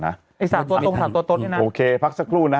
เนี้ยน่ะโอเคพักสักครู่นะ